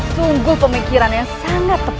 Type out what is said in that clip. sungguh pemikiran yang sangat tepat